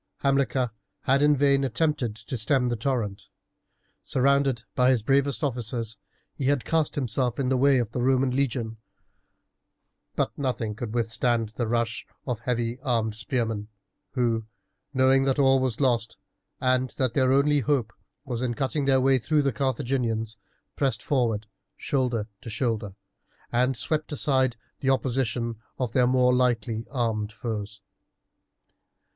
Hamilcar had in vain attempted to stem the torrent. Surrounded by his bravest officers, he had cast himself in the way of the Roman legion; but nothing could withstand the rush of the heavy armed spearmen, who, knowing that all was lost, and that their only hope was in cutting their way through the Carthaginians, pressed forward, shoulder to shoulder, and swept aside the opposition of their more lightly armed foes.